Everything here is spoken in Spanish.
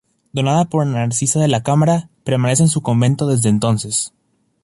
Donada por Narcisa de la Cámara, permanece en su convento desde entonces.